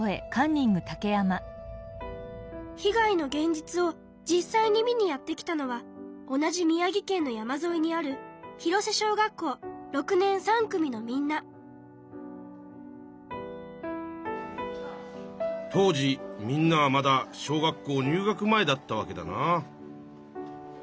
被害の現実を実際に見にやって来たのは同じ宮城県の山ぞいにある当時みんなはまだ小学校入学前だったわけだな。